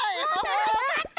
たのしかった！